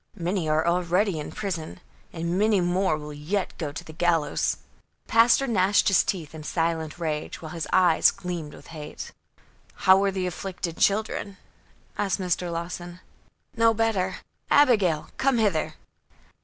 Many are already in prison, and many more will yet go to the gallows." The pastor gnashed his teeth in silent rage, while his eyes gleamed with hate. "How are the afflicted children?" asked Mr. Lawson. "No better. Abigail come hither."